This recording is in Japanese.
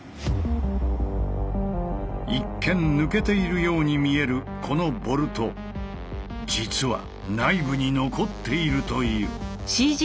一見抜けているように見えるこのボルト実は内部に残っているという。